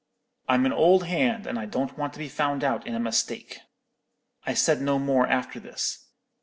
I'm an old hand, and I don't want to be found out in a mistake.' "I said no more after this.